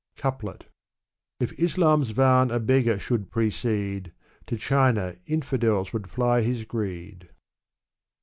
'' CoupieL if Islam's van a beggar should precede, To China inftdels would fly his greed.